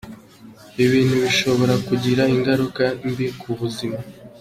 Ibi bintu bishobora kugira ingaruka mbi ku buzima